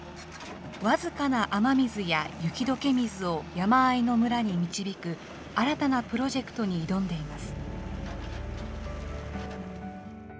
僅かな雨水や雪どけ水を山あいの村に導く、新たなプロジェクトに挑んでいます。